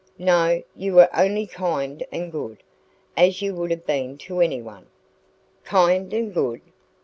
"No. You were only kind and good, as you would have been to anyone." "Kind and good?